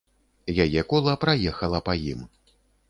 Яе кола праехала па ім.